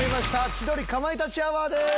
『千鳥かまいたちアワー』です。